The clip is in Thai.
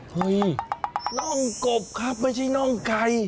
น่องกบครับไม่ใช่น่องไก่